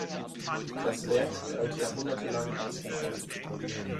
Das Werk galt jahrhundertelang als verschollen.